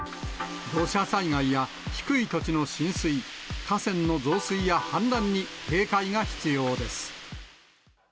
土砂災害や低い土地の浸水、河川の増水や氾濫に警戒が必要です。